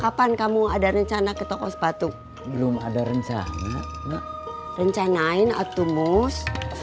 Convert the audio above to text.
kapan kamu ada rencana ke toko sepatu belum ada rencana rencanain atau mus